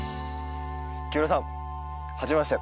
木村さんはじめまして。